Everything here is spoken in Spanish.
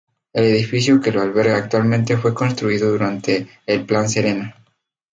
El edificio que lo alberga actualmente fue construido durante el Plan Serena.